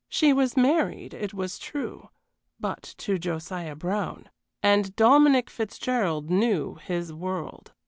She was married, it was true but to Josiah Brown and Dominic Fitzgerald knew his world.